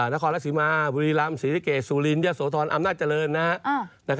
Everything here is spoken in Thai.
นครลักษมณ์บุรีรัมศรีริเกษซูลินยะโสธรอำนาจเจริญนะครับ